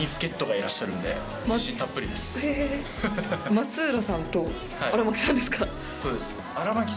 松浦さんと荒牧さんですか？